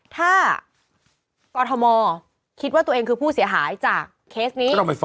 ถ้ากอทมคิดว่าตัวเองคือผู้เสียหายจากเคสนี้ก็ต้องไปฟ้อง